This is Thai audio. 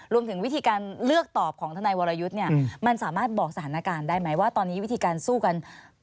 รวมถึงวิธีการเลือกตอบของทนายวรยุทธ์เนี่ยมันสามารถบอกสถานการณ์ได้ไหมว่าตอนนี้วิธีการสู้กัน